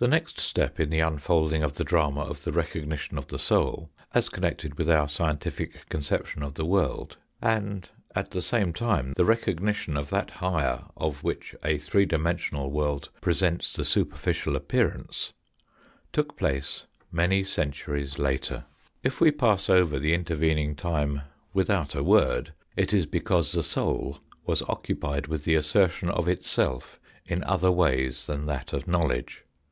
The next step in the unfolding of the drama of the recognition of the soul as connected with our scientific conception of the world, and, at the same time, the recognition of that higher of which a three dimensional world presents the superficial appearance, took place many centuries later, {f we pass over the intervening time 40 , THE FOURTH DIMENSION without a word it is because the soul was occupied with the assertion of itself in other ways than that of knowledge.